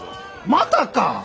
またか！？